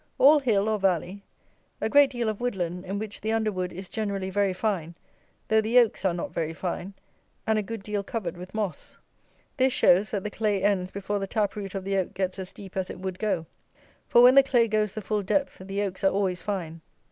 All hill, or valley. A great deal of wood land, in which the underwood is generally very fine, though the oaks are not very fine, and a good deal covered with moss. This shows, that the clay ends before the tap root of the oak gets as deep as it would go; for, when the clay goes the full depth, the oaks are always fine.